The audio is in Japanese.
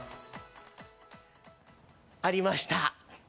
ありました。